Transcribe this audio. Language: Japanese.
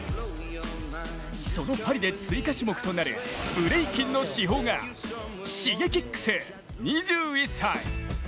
そのパリで追加種目となるブレイキンの至宝がＳｈｉｇｅｋｉｘ、２１歳。